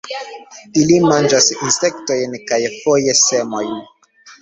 Ili manĝas insektojn kaj foje semojn.